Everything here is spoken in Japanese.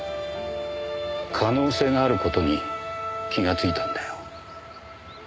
可能性がある事に気がついたんだよ。